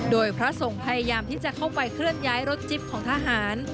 โดยพระสงฆ์พยายามที่จะเข้าไปเคลื่อนย้ายรถจิ๊บของทหาร